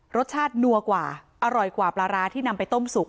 รสชาตินัวกว่าอร่อยกว่าปลาร้าที่นำไปต้มสุก